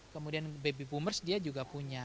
kemudian baby boomers dia juga punya